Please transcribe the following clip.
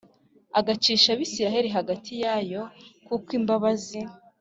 Igacisha Abisirayeli hagati yayo Kuko imbabazi